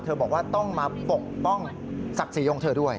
บอกว่าต้องมาปกป้องศักดิ์ศรีของเธอด้วย